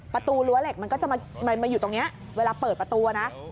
ประตูรั้วเหล็กมันก็จะมาอยู่ตรงนี้เวลาเปิดประตูนะ